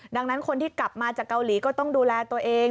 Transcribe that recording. ดังนั้นคนที่กลับมาจากเกาหลีก็ต้องดูแลตัวเอง